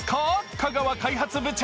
香川開発部長。